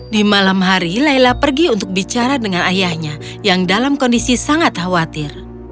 di malam hari layla pergi untuk bicara dengan ayahnya yang dalam kondisi sangat khawatir